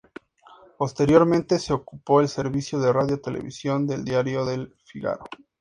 Posteriormente se ocupó del servicio de radio-televisión del diario Le Figaro.